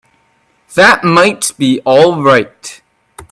That might be all right.